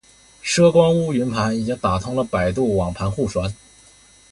拾光坞云盘已经打通了百度网盘互传